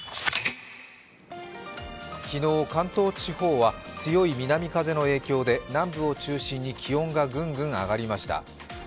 昨日関東地方は強い南風の影響で南部を中心に気温がぐんぐん上がりました。